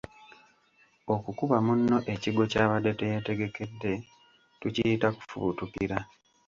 Okukuba munno ekigwo kyabadde teyeetegekedde, tukiyita kufubutukira